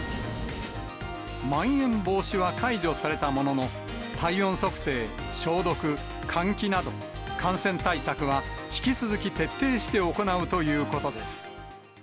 まん延防止は解除されたものの、体温測定、消毒、換気など、感染対策は引き続き徹底して行うということです。